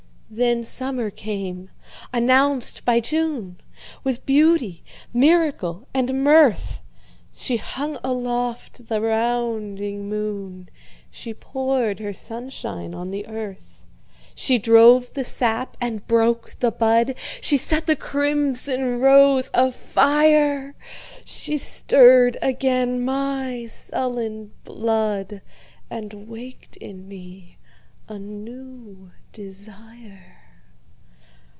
Then summer came, announced by June, With beauty, miracle and mirth. She hung aloft the rounding moon, She poured her sunshine on the earth, She drove the sap and broke the bud, She set the crimson rose afire. She stirred again my sullen blood, And waked in me a new desire.